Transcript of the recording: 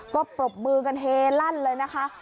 ก็ปรบมือกันเฮลั่นเลยนะคะ